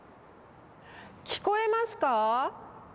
聞こえますか？